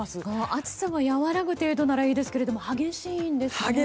暑さが和らぐ程度ならいいですけど激しいんですね。